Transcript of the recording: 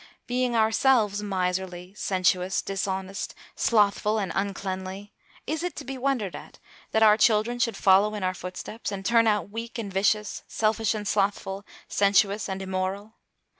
Being ourselves miserly, sensuous, dishonest, slothful and uncleanly, is it to be wondered at that our children should follow in our foot steps, and turn out weak and vicious, selfish and slothful, sensuous and immoral?